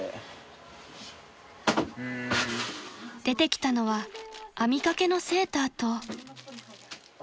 ［出てきたのは編みかけのセーターと］